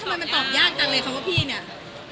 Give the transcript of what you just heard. ทำไมมันตอบยากจังเลยเขาว่าพี่เนี่ย